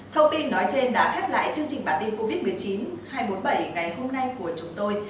thông tin nói trên đã khép lại chương trình bản tin covid một mươi chín hai trăm bốn mươi bảy ngày hôm nay của chúng tôi